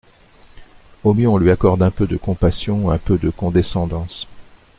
Au mieux, on lui accorde un peu de compassion, un peu de condescendance.